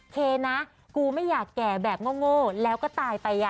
เคนะกูไม่อยากแก่แบบโง่แล้วก็ตายไป